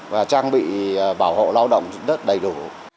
và trang bị bảo hộ lao động đất đầy đủ